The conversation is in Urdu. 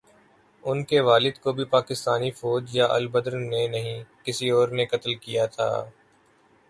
ان کے والد کو بھی پاکستانی فوج یا البدر نے نہیں، کسی اور نے قتل کیا تھا۔